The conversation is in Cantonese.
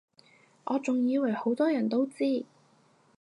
我仲以爲好多人都知